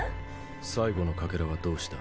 最後のかけらはどうした？